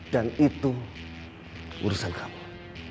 dan itu urusan kamu